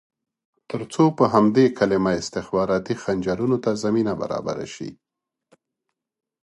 ترڅو په همدې کلمه استخباراتي خنجرونو ته زمینه برابره شي.